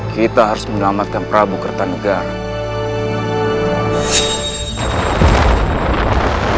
kita harus menyelamatkan prabu kertanegara